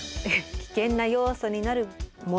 危険な要素になるものというか。